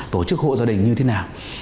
tổ chức hộ gia đình như thế nào